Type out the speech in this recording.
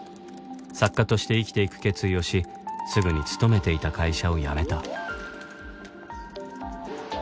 作家として生きていく決意をしすぐに勤めていた会社を辞めた